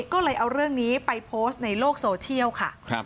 ก็เลยเอาเรื่องนี้ไปโพสต์ในโลกโซเชียลค่ะ